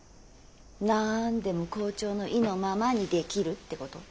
なんでも校長の意のままにできるってこと？